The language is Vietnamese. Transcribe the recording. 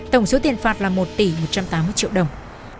tổng số tiền phạt là một tỷ một trăm tám mươi triệu đồng